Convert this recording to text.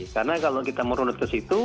karena kalau kita merunut ke situ